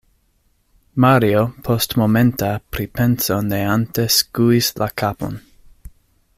Mario post momenta pripenso neante skuis la kapon.